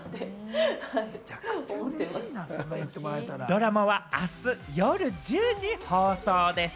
ドラマはあす夜１０時放送です。